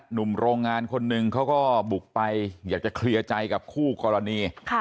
หนุ่มโรงงานคนหนึ่งเขาก็บุกไปอยากจะเคลียร์ใจกับคู่กรณี